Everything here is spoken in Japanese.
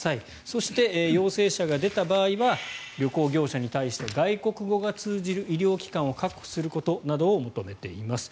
そして、陽性者が出た場合は旅行業者に対して外国語が通じる医療機関を確保することなどを求めています。